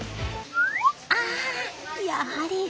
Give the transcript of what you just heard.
あやはり。